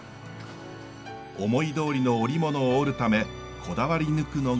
思いどおりの織物を織るためこだわり抜くのが色です。